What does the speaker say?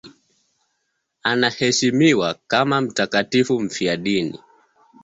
Anaheshimiwa kama mtakatifu mfiadini.